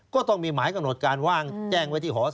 ก็ต้องมีหมายกำหนดการว่างแจ้งไว้ที่หอ